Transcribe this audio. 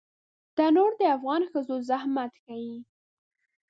تنور د افغانو ښځو زحمت ښيي